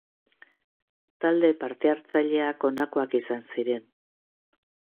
Talde parte-hartzaileak honakoak izan ziren.